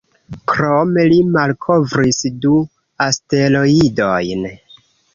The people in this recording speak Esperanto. Krome li malkovris du asteroidojn.